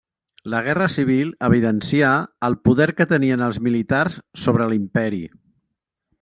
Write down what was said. La guerra civil evidencià el poder que tenien els militars sobre l'imperi.